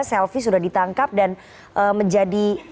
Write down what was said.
selfie sudah ditangkap dan menjadi